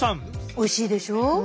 おいしいでしょ？